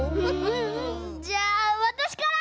うんじゃあわたしから！